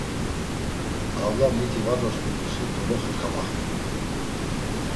Avla miti va dosǩudusi doloxe kamaxt̆u.